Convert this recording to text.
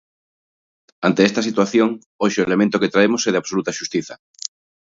Ante esta situación, hoxe o elemento que traemos é de absoluta xustiza.